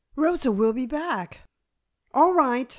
Rosa will be back " "All right.